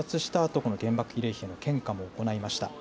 あと原爆慰霊碑に献花も行いました。